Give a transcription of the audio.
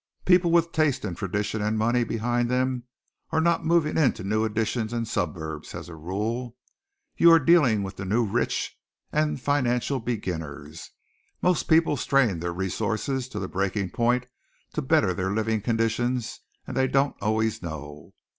People with taste and tradition and money behind them are not moving into new additions and suburbs, as a rule. You are dealing with the new rich and financial beginners. Most people strain their resources to the breaking point to better their living conditions and they don't always know.